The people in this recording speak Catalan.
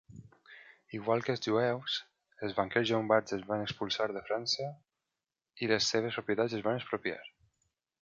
Igual que els jueus, els banquers llombards es van expulsar de França i les seves propietats es van expropiar.